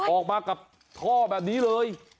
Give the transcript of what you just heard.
ออกมากับท่อแบบนี้เลย